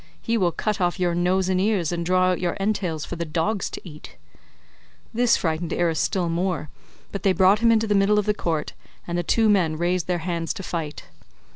He will cut off your nose and ears, and draw out your entrails for the dogs to eat." This frightened Irus still more, but they brought him into the middle of the court, and the two men raised their hands to fight.